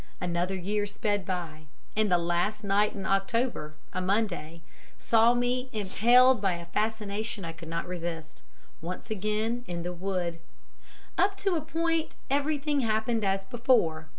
Another year sped by and the last night in October a Monday saw me, impelled by a fascination I could not resist, once again in the wood. Up to a point everything happened as before.